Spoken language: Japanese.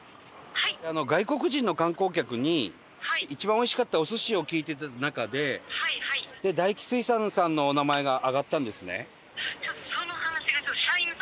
外国人の観光客に一番おいしかったお寿司を聞いていた中で大起水産さんのお名前が挙がったんですね。